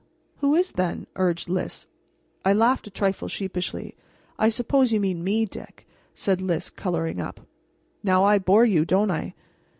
"Who is, then?" urged Lys. I laughed a trifle sheepishly. "I suppose you mean me, Dick," said Lys, coloring up. "Now I bore you, don't I?"